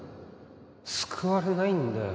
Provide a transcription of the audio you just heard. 救われないんだよ